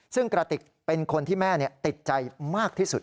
ซึ่งกระติกเป็นคนที่แม่ติดใจมากที่สุด